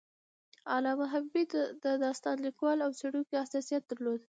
علامه حبیبي د استاد، لیکوال او څیړونکي حیثیت درلود.